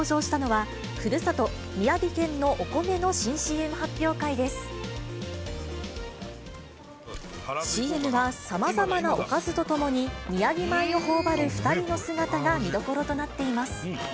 ＣＭは、さまざまなおかずと共に、宮城米をほおばる２人の姿が見どころとなっています。